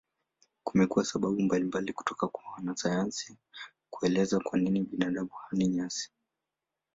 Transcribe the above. Kumekuwa sababu mbalimbali toka kwa wanasayansi kuelezea kwa nini binadamu hali nyasi.